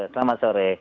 terima kasih mbak